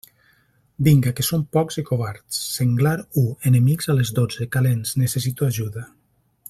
Vinga, que són pocs i covards, «Senglar u, enemics a les dotze, calents, necessito ajuda».